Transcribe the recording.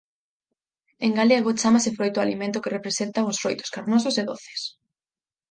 En galego chámase froita ao alimento que representan os froitos carnosos e doces.